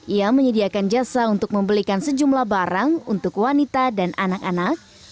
ia menyediakan jasa untuk membelikan sejumlah barang untuk wanita dan anak anak